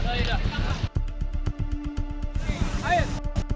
jangan jangan jangan